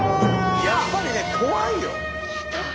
やっぱりね怖いよ。